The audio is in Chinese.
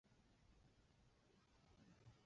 允丹藏卜早逝无后。